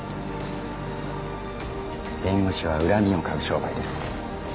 弁護士は恨みを買う商売です。